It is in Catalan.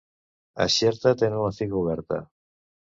A Xerta tenen la figa oberta.